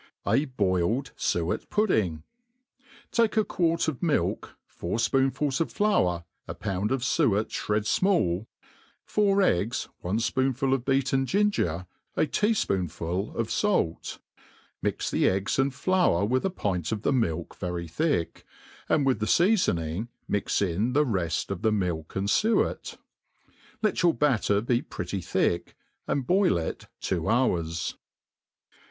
A boiled Suet Puddings TAKE a quart of milk, four fpoonfuls of flour, a pound of fuet fhred fmall, four eggs, one fpoonful of beaten ginger^ a tea fpoonful of fait ; mix the eggs and flour with a pint of thejnilk very thick, and with the feafoning mix in the refl of the milk and fuet. Let your batter be pretty thick, and boil it two hours.